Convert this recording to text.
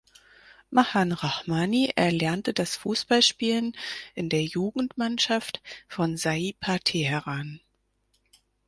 Mahan Rahmani erlernte das Fußballspielen in der Jugendmannschaft von Saipa Teheran.